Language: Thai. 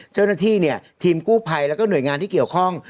เจ้าหน้าที่เนี่ยทีมกู้ภัยแล้วก็หน่วยงานที่เกี่ยวข้อง